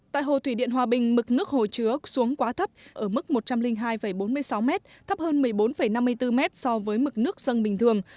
tại hồ thủy điện hòa bình mức nước hồ chứa xuống quá thấp ở mức một trăm linh hai bốn mươi sáu mét thấp hơn một mươi bốn năm mươi bốn mét so với mức nước sân bình thường